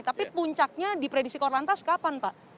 tapi puncaknya di predisi korlantas kapan pak